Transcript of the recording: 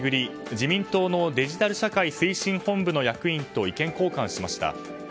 自民党のデジタル社会推進本部の役員と意見交換しました。